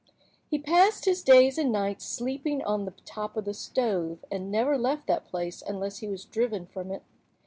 He passed his days and nights sleeping on the top of the stove, and never left that place unless he was driven from it.